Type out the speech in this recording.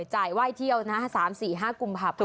จ่ายไหว้เที่ยวนะ๓๔๕กุมภาพันธ